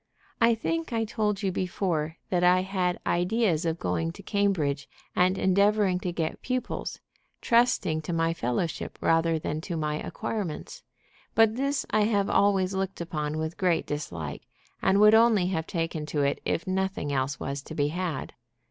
I think I told you before that I had ideas of going to Cambridge and endeavoring to get pupils, trusting to my fellowship rather than to my acquirements. But this I have always looked upon with great dislike, and would only have taken to it if nothing else was to be had.